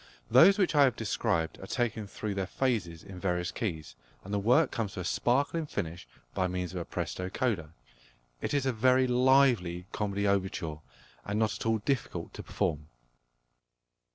Those which I have described are taken through their phases in various keys, and the work comes to a sparkling finish by means of a presto coda. It is a very lively comedy overture, and not at all difficult to perform.